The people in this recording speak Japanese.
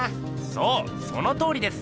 そうそのとおりです！